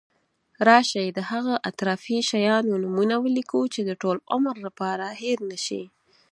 راشي د هغه اطرافي شیانو نومونه ولیکو چې د ټول عمر لپاره هېر نشی.